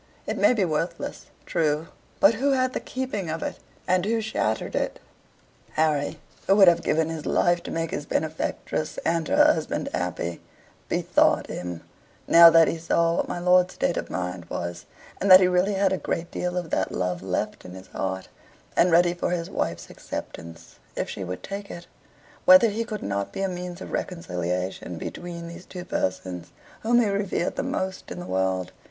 It may be worthless true: but who had the keeping of it, and who shattered it? Harry, who would have given his life to make his benefactress and her husband happy, bethought him, now that he saw what my lord's state of mind was, and that he really had a great deal of that love left in his heart, and ready for his wife's acceptance if she would take it, whether he could not be a means of reconciliation between these two persons, whom he revered the most in the world.